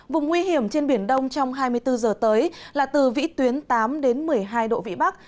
vùng nguy hiểm trên biển đông trong hai mươi bốn giờ tới là từ vĩ tuyến tám đến một mươi hai độ vị bắc